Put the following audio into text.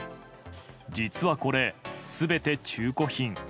実はこれ、全て中古品。